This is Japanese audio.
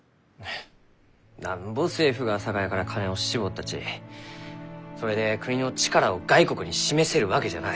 なんぼ政府が酒屋から金を搾ったちそれで国の力を外国に示せるわけじゃない。